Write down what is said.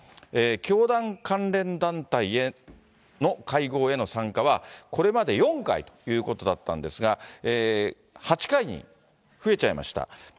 教団関連団体への会合への参加は、これまで４回ということだったんですが、８回に増えちゃいました。